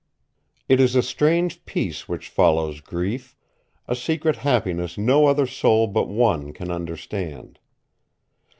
It is a strange peace which follows grief, a secret happiness no other soul but one can understand.